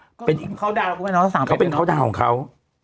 เขาเป็นเข้าด้านของเขาเนอะเขาเป็นเข้าด้านของเขา